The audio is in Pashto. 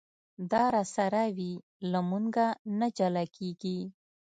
دا راسره وي له مونږه نه جلا کېږي.